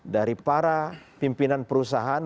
dari para pimpinan perusahaan